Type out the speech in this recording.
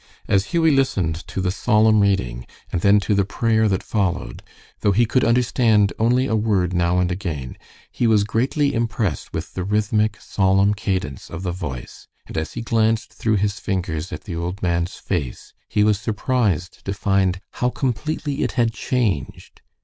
As Hughie listened to the solemn reading, and then to the prayer that followed, though he could understand only a word now and again, he was greatly impressed with the rhythmic, solemn cadence of the voice, and as he glanced through his fingers at the old man's face, he was surprised to find how completely it had changed.